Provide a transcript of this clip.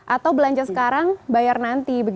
atau belanja sekarang bayar nanti